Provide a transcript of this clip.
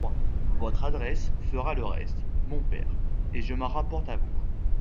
Votre adresse fera le reste, mon père, et je m’en rapporte à vous…